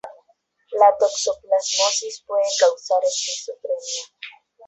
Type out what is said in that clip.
La toxoplasmosis puede causar esquizofrenia.